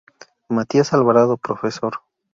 Matías Alvarado -Profesor-.